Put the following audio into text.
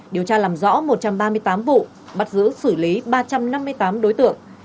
điều tra làm rõ một trăm ba mươi tám vụ bắt giữ xử lý ba trăm năm mươi tám đối tượng